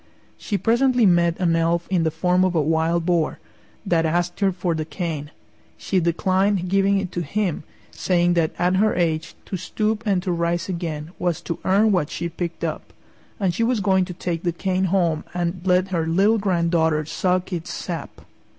She presently met an elf in the form of a Wild Boar, that asked her for the cane. She declined giving it to him, saying that at her age to stoop and to rise again was to earn what she picked up, and she was going to take the cane home and let her little granddaughter suck its sap.